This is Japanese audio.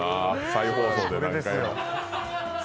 再放送で。